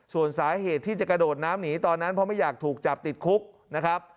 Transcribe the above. ส่วนสาเหตุที่จะกระโดดน้ำหนีตอนนั้นเพราะไม่อยากถูกจับติดคุกนะครับ